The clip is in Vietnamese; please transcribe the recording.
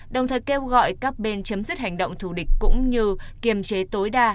đồng thời kêu gọi các bên chấm dứt hành động thù địch cũng như kiềm chế tối đa